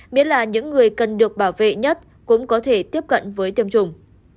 miễn là những người cần được bảo vệ nhất cũng có thể tiếp cận với tiêm chủng